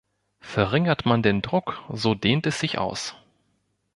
Verringert man den Druck, so dehnt es sich aus.